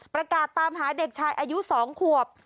ประกาศตามหาเด็กชายอายุ๒ขวบ